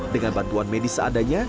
dengan bantuan medis seadanya